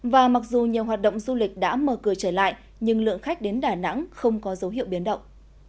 và mặc dù nhiều hoạt động du lịch đã mở cửa trở lại nhưng lượng khách đến đà nẵng không có dấu hiệu biến động